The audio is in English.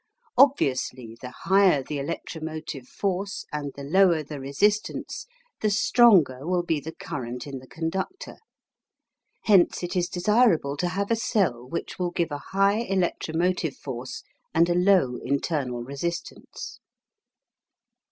Obviously the higher the electromotive force and the lower the resistance, the stronger will be the current in the conductor. Hence it is desirable to have a cell which will give a high electromotive force and a low internal resistance.